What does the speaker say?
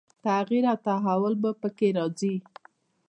تغییر او تحول به په کې راځي.